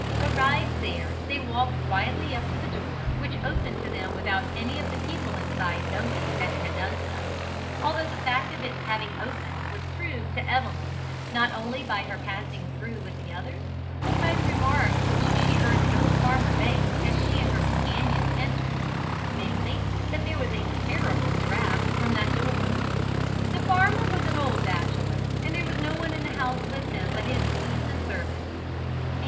Arrived there, they walked quietly up to the door, which opened to them without any of the people inside knowing that it had done so, although the fact of its having opened was proved to Evelyn not only by her passing through with the others, but by the remark which she heard the old farmer make as she and her companions entered, namely, that there was a terrible draught from that door. The farmer was an old bachelor, and there was no one in the house with him but his niece and the servants.